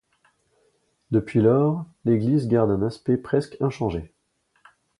Depuis lors l'église garde un aspect presque inchangé.